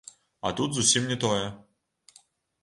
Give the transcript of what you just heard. А тут зусім не тое.